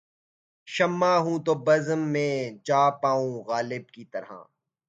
شمع ہوں‘ تو بزم میں جا پاؤں غالب کی طرح